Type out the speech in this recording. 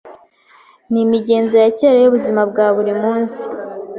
n'imigenzo ya kera y'ubuzima bwa buri munsi